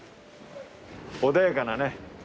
穏やかなね。